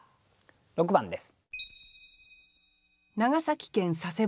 ６番です。